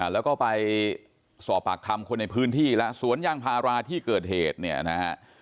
แล้วก็ไปสอบปากคำคนในพื้นที่แล้วสวนยางพาราที่เกิดเหตุเนี่ยนะฮะ